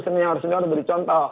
senyawa senyawa udah beri contoh